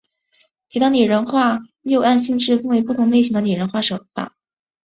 铁道拟人化又按性质分为不同类型的拟人化手法。